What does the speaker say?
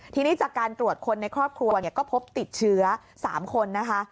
ทีนี้จากการตรวจคนในครอบครัวก็พบติดเชื้อ๓คนนะคะ